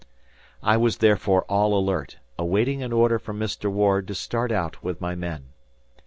I was therefore all alert, awaiting an order from Mr. Ward to start out with my men.